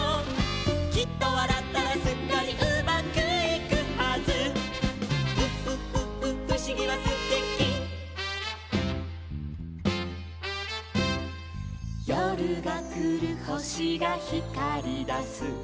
「きっとわらったらすっかりうまくいくはず」「うふふふふしぎはすてき」「よるがくるほしがひかりだす」